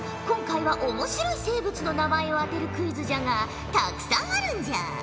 今回は面白い生物の名前を当てるクイズじゃがたくさんあるんじゃ。